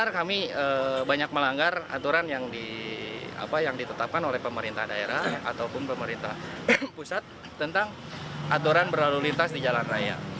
kami banyak melanggar aturan yang ditetapkan oleh pemerintah daerah ataupun pemerintah pusat tentang aturan berlalu lintas di jalan raya